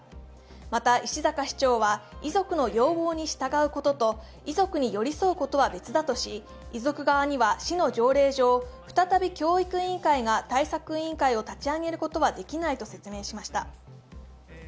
また石阪市長は遺族の要望に従うことと遺族に寄り添うことは別だとし、遺族側には市の条例上、再び教育委員会が対策委員会を立ち上げることはできないと説明しました。